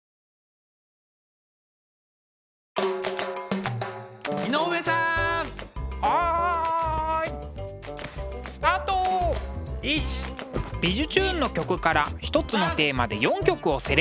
「びじゅチューン！」の曲から一つのテーマで４曲をセレクト。